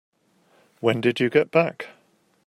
When did you get back?